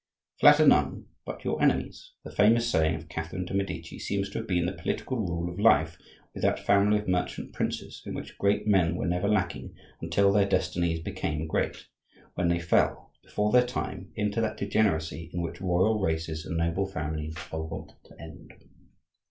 "Flatter none but your enemies," the famous saying of Catherine de' Medici, seems to have been the political rule of life with that family of merchant princes, in which great men were never lacking until their destinies became great, when they fell, before their time, into that degeneracy in which royal races and noble families are wont to end.